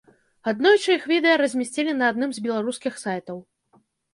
Аднойчы іх відэа размясцілі на адным з беларускіх сайтаў.